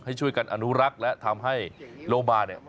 ให้ช่วยกันอนุรักษ์และทำให้โลมาเนี่ย